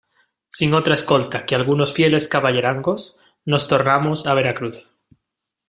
sin otra escolta que algunos fieles caballerangos, nos tornamos a Veracruz.